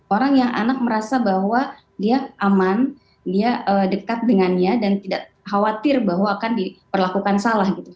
orang yang anak merasa bahwa dia aman dia dekat dengannya dan tidak khawatir bahwa akan diperlakukan salah gitu